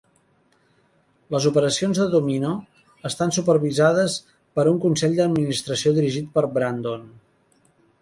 Les operacions de Domino estan supervisades per un Consell d'Administració dirigit per Brandon.